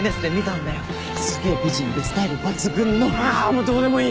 もうどうでもいい！